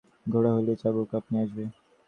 ঘোড়া হলেই চাবুক আপনি আসবে।